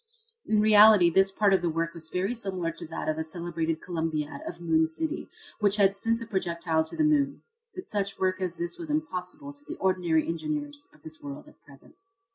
In reality this part of the work was very similar to that of the celebrated Columbiad, of Moon City, which had sent the projectile to the moon. But such work as this is impossible to the ordinary engineers of this world at present.